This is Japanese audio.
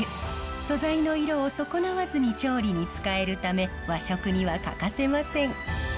素材の色を損なわずに調理に使えるため和食には欠かせません。